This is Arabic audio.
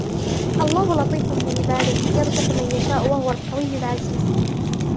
اللَّهُ لَطِيفٌ بِعِبَادِهِ يَرْزُقُ مَنْ يَشَاءُ وَهُوَ الْقَوِيُّ الْعَزِيزُ